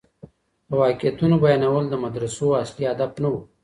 د واقعيتونو بيانول د مدرسو اصلي هدف نه و.